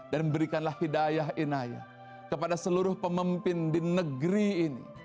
dan berikanlah hidayah inayah kepada seluruh pemimpin di negeri ini